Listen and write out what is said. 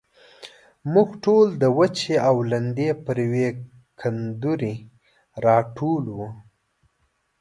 موږ ټول د وچې او لندې پر يوه کوندرې راټول وو.